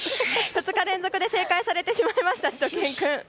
２日連続で正解されてしまいました、しゅと犬くん。